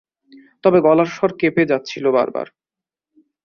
তবে গলার স্বর কোঁপে যাচ্ছিল বারবার।